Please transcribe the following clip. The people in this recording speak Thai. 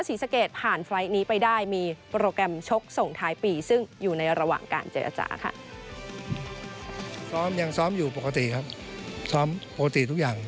ซ้อมอยู่ปกติครับซ้อมปกติทุกอย่าง